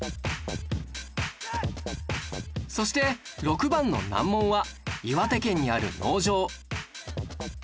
そして６番の難問は岩手県にある農場